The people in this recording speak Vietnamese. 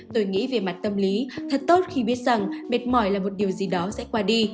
tôi nghĩ về mặt tâm lý thật tốt khi biết rằng mệt mỏi là một điều gì đó sẽ qua đi